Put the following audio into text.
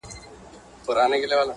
هر ځل چې تبدیلي کېږي